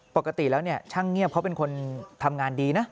ปกติแล้วช่างเงียบเขาเป็นคนทำงานดีนะ